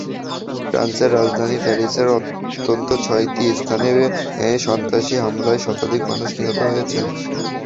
ফ্রান্সের রাজধানী প্যারিসের অন্তত ছয়টি স্থানে সন্ত্রাসী হামলায় শতাধিক মানুষ নিহত হয়েছেন।